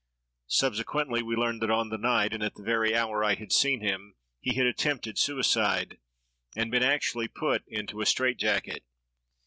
Subsequently, we learned that on the night, and at the very hour I had seen him, he had attempted suicide, and been actually put into a strait jacket.